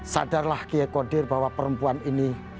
sadarlah kiai kodir bahwa perempuan ini